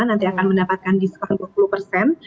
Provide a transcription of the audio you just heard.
nanti akan mendapatkan diskon dua puluh persen